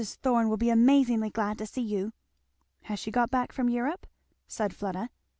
Thorn will be amazingly glad to see you." "Has she got back from Europe?" said Fleda.